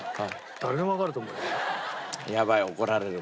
誰でもわかると思うよこれ。